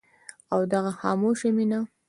او دغه خاموشه مينه